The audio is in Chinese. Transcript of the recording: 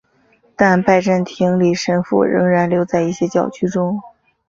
但拜占庭礼神父仍然留在一些教区中。